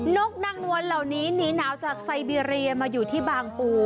นกนางนวลเหล่านี้หนีหนาวจากไซเบียมาอยู่ที่บางปู